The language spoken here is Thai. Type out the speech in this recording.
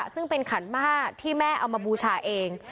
ซึ่งเป็นขันม่าที่แม่เอามาบูชาเอง